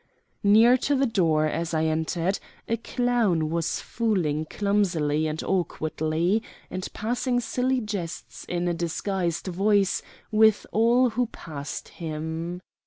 Near to the door, as I entered, a clown was fooling clumsily and awkwardly, and passing silly jests in a disguised voice with all who passed him.